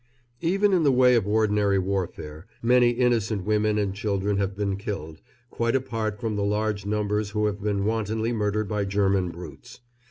Even in the way of ordinary warfare many innocent women and children have been killed, quite apart from the large numbers who have been wantonly murdered by German brutes.